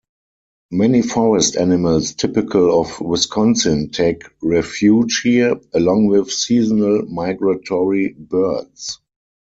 Many forest animals typical of Wisconsin take refuge here, along with seasonal migratory birds.